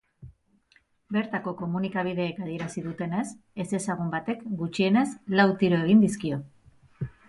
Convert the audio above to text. Bertako komunikabideek adierazi dutenez, ezezagun batek gutxienez lau tiro egin dizkio.